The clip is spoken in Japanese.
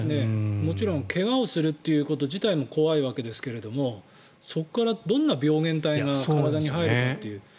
もちろん怪我をするということ自体も怖いわけですがそこからどんな病原体が体に入るかという。